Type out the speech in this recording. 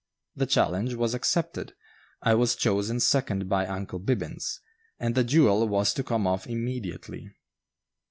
The challenge was accepted, I was chosen second by "Uncle Bibbins," and the duel was to come off immediately.